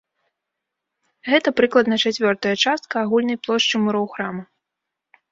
Гэта прыкладна чацвёртая частка агульнай плошчы муроў храма.